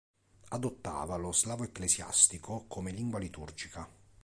Adottava lo slavo ecclesiastico come lingua liturgica.